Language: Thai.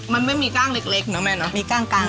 หอมกระชายพริกแกงต่าง